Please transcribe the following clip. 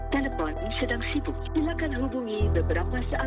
telepon sedang sibuk silakan hubungi beberapa saat